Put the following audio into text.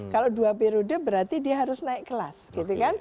kalau dua periode berarti dia harus naik kelas gitu kan